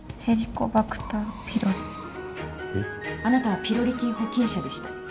あなたはピロリ菌保菌者でした。